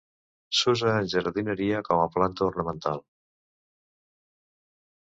S'usa en jardineria com a planta ornamental.